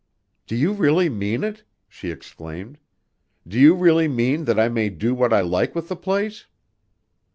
"Do you really mean it?" she exclaimed. "Do you really mean that I may do what I like with the place?"